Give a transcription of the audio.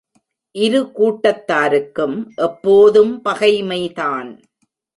இரு கூட்டத்தாருக்கும் எப்போதும் பகைமைதான்.